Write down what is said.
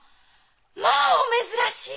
まあお珍しい！